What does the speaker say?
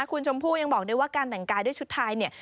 คุณชมพูยังบอกว่าการแต่งกายด้วยชุดไทย